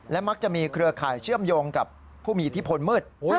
มักจะมีเครือข่ายเชื่อมโยงกับผู้มีอิทธิพลมืด